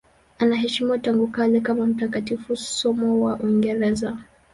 Anaheshimiwa tangu kale kama mtakatifu, somo wa Uingereza.